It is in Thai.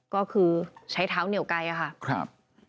ก็คือใช้เท้าเหนียวกัยค่ะ